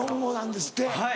はい！